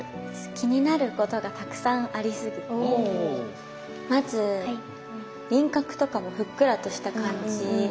気になることがたくさんありすぎてまず輪郭とかもふっくらとした感じ。